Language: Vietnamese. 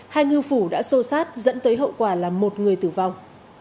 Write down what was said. hai ngư phủ đã xô sát dẫn tới hậu quả là một người tử vong